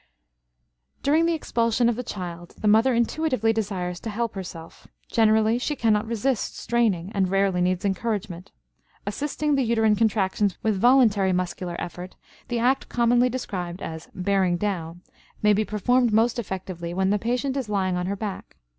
During the expulsion of the child the mother intuitively desires to help herself; generally she cannot resist straining, and rarely needs encouragement. Assisting the uterine contractions with voluntary muscular effort, the act commonly described as "bearing down," may be performed most effectively when the patient is lying on her back.